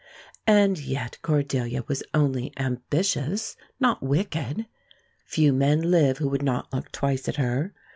And yet Cordelia was only ambitious, not wicked. Few men live who would not look twice at her.